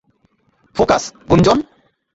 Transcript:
Focus, Gunjan!